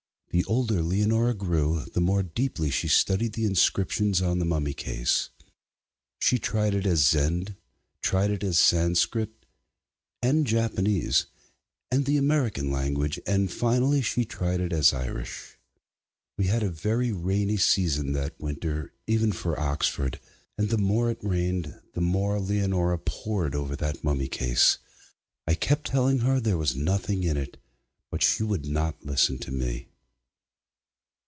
The older Leonora grew the more deeply she studied the inscriptions on the mummy case. She tried it as Zend, she tried it as Sanskrit, and Japanese, and the American language, and finally she tried it as Irish. We had a very rainy season that winter even for Oxford, and the more it rained the more Leonora pored over that mummy case. I kept telling her there was nothing in it, but she would not listen to me.